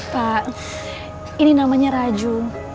pak ini namanya raju